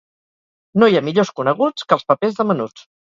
No hi ha millors coneguts que els papers de menuts.